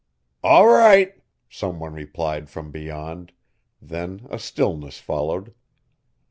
"All right!" Some one replied from beyond, then a stillness followed.